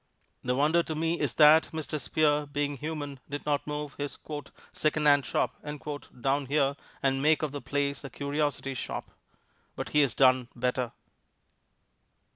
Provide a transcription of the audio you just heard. The wonder to me is that Mr. Spear, being human, did not move his "secondhand shop" down here and make of the place a curiosity shop. But he has done better.